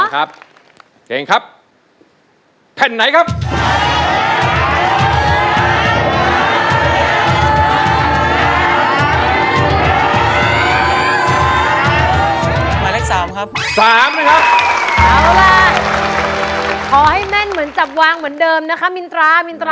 ขอให้ฟังก่อนนะครับ